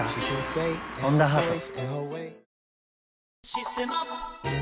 「システマ」